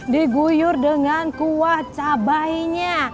diguyur dengan kuah cabainya